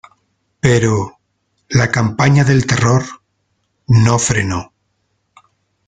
pero, la campaña del terror, no frenó